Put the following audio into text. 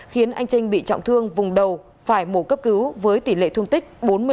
khiến anh trinh bị trọng thương vùng đầu phải mổ cấp cứu với tỷ lệ thương tích bốn mươi năm